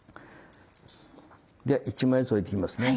では１枚ずつ置いていきますね。